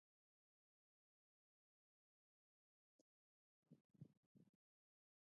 د روسي او کميونسټو قوتونو زور ظلم